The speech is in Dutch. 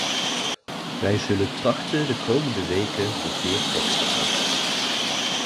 Wij zullen trachten de komende weken nog meer teksten aan te nemen.